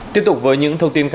tiếp tục với những thông tin